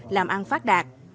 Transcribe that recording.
làm ăn phát đạt